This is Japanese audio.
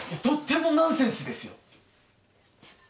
とってもナンセンスですよ。